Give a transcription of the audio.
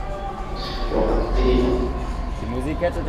وَقَدْ قِيلَ